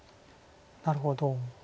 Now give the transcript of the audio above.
なるほど。